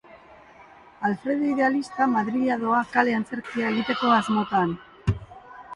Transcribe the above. Alfredo idealista Madrila doa kale-antzerkia egiteko asmotan.